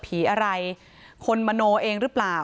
ผีอะไรคนมโนเองหรือเปล่า